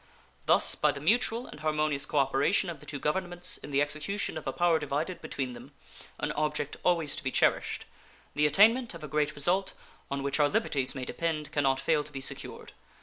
Thus by the mutual and harmonious cooperation of the two governments in the execution of a power divided between them, an object always to be cherished, the attainment of a great result, on which our liberties may depend, can not fail to be secured.